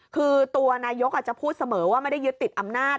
คือตัวนายกอาจจะพูดเสมอว่าไม่ได้ยึดติดอำนาจ